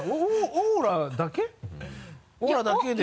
オーラだけで。